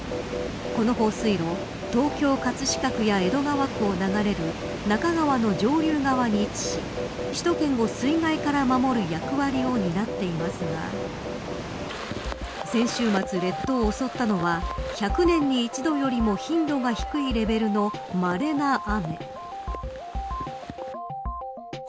この放水路東京、葛飾区や江戸川区を流れる中川の上流側に位置し首都圏を水害から守る役割を担っていますが先週末、列島を襲ったのは１００年に一度よりも頻度が低いレベルのまれな雨。